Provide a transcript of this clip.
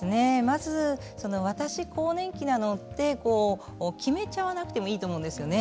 私は更年期なのと決めちゃわなくてもいいと思うんですよ。